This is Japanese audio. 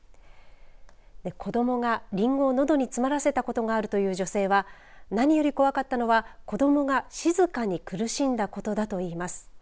子どもがりんごをのどに詰まらせたことがあるという女性は何より怖かったのはこどもが静かに苦しんだことだといいます。